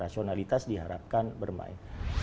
rasionalitas diharapkan bermain